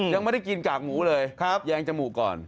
ยังไม่ได้กินกากหมูเลยแยงจมูกก่อน